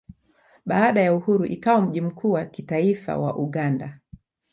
Baada ya uhuru ikawa mji mkuu wa kitaifa wa Uganda.